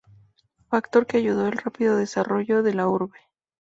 Factor que ayudó el rápido desarrollo de la urbe.